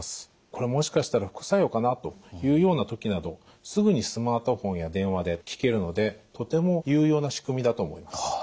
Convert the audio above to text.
「これもしかしたら副作用かな？」というような時などすぐにスマートフォンや電話で聞けるのでとても有用な仕組みだと思います。